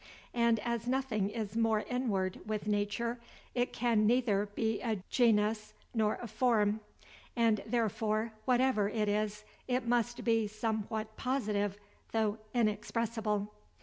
And as nothing is more inward with nature, it can neither be a genus nor a form; and therefore, whatever it is, it must be somewhat positive, though inexpressible.